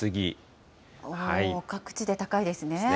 各地で高いですね。